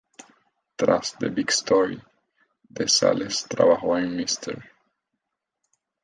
Tras "The Big Story", De Sales trabajó en "Mr.